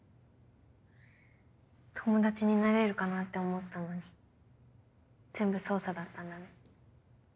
友達になれるかなって思ったのに全部捜査だったんだね。